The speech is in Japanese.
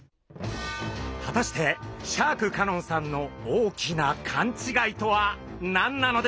果たしてシャーク香音さんの大きなカン違いとは何なのでしょうか？